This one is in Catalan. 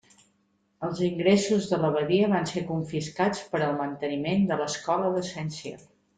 Els ingressos de l'abadia van ser confiscats per al manteniment de l'escola de Saint-Cyr.